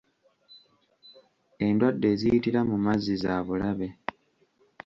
Endwadde eziyitira mu mazzi za bulabe.